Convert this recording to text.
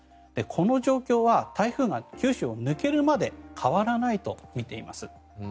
この状況は台風が九州を抜けるまで変わらないとみています。